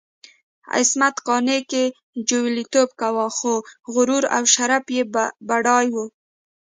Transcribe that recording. عصمت قانع که جواليتوب کاوه، خو غرور او شرف یې بډای وو.